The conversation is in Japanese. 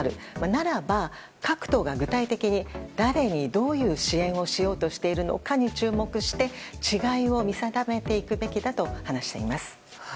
ならば、各党が具体的に誰に、どういう支援をしようとしているのかに注目して違いを見定めていくべきだと話しています。